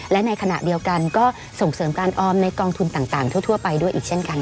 และในขณะเดียวกันก็ส่งเสริมการออมในกองทุนต่างทั่วไปด้วยอีกเช่นกัน